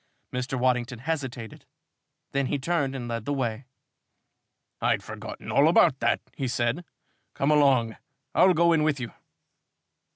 Mr. Waddington hesitated. Then he turned and led the way. "I'd forgotten all about that," he said. "Come along, I'll go in with you."